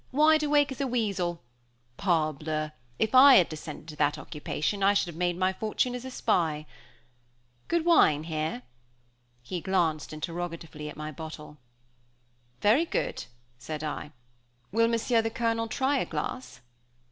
wide awake as a weasel! Parbleu! if I had descended to that occupation I should have made my fortune as a spy. Good wine here?" he glanced interrogatively at my bottle. "Very good," said I. "Will Monsieur the Colonel try a glass?"